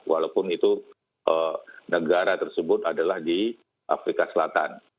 walaupun itu negara tersebut adalah di afrika selatan